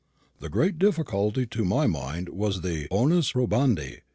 The great difficulty to my mind was the onus probandi.